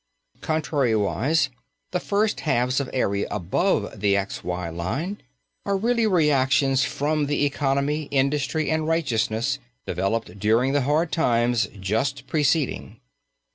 Contrariwise, the first halves of areas above the X Y line are really reactions from the economy, industry and righteousness developed during the hard times just preceding.